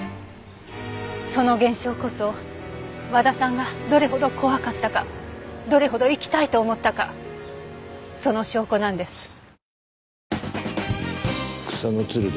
その現象こそ和田さんがどれほど怖かったかどれほど生きたいと思ったかその証拠なんです。